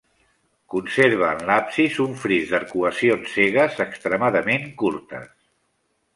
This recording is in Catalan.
Conserva en l'absis un fris d'arcuacions cegues extremadament curtes.